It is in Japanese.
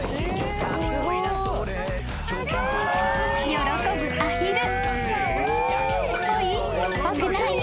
［喜ぶアヒル］